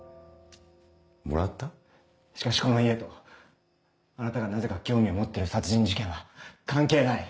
しかしこの家とあなたがなぜか興味を持ってる殺人事件は関係ない。